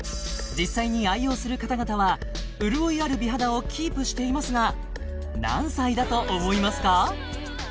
実際に愛用する方々は潤いある美肌をキープしていますが何歳だと思いますか？